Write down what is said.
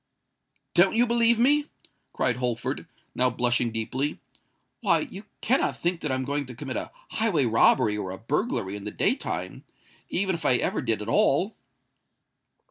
"Don't you believe me?" cried Holford, now blushing deeply. "Why, you cannot think that I'm going to commit a highway robbery or a burglary in the day time—even if I ever did at all?"